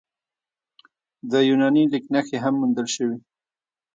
د یوناني لیک نښې هم موندل شوي